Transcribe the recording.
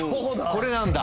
これなんだ？